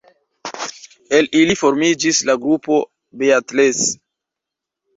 El ili formiĝis la grupo Beatles.